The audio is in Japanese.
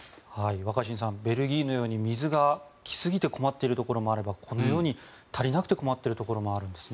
若新さんベルギーのように水が来すぎて困っているところもあればこのように足りなくて困っているところもあるんですね。